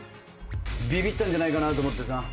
びびったんじゃないかなと思ってさ。